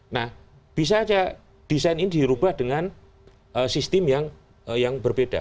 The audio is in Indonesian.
nah bisa saja desain ini dirubah dengan sistem yang berbeda